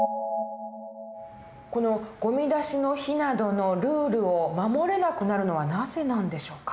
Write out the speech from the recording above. このゴミ出しの日などのルールを守れなくなるのはなぜなんでしょうか？